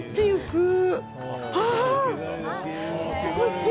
すごい。